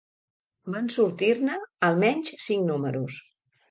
Van sortir-ne, almenys, cinc números.